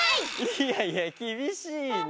いやいやきびしいな。